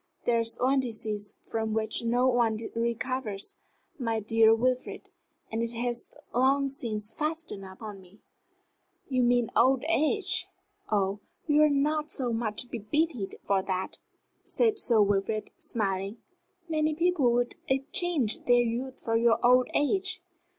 There is one disease from which no one recovers, my dear Wilfrid, and it has long since fastened upon me." "You mean old age? Oh, you are not so much to be pitied for that," said Sir Wilfrid, smiling. "Many people would exchange their youth for your old age."